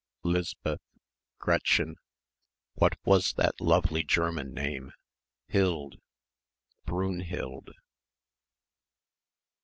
'Lisbeth, Gretchen ... what was that lovely German name ... hild ... Brunhilde....